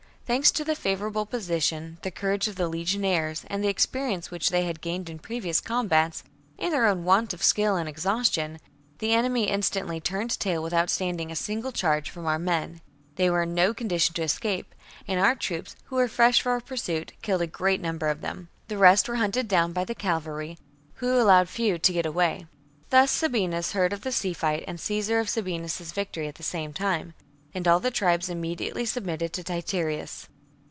Thanks to the favourable position, the courage of the legionaries and the experience which they had gained in previous combats, and their own want of skill and exhaustion, the enemy instantly turned tail without standing a single charge from our men. They were in no condition to escape, and our troops, who were fresh for pursuit, killed a great number of them. The rest were hunted down by the cavalry, who allowed few to get Ill THE MARITIME TRIBES 91 away. Thus Sabinus heard of the sea fight and 56 b.c. Caesar of Sabinus's victory at the same time ; and all the tribes immediately submitted to Titurius.